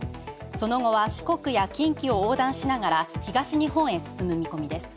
その後は四国や近畿を横断しながら東日本へ進む見込みです。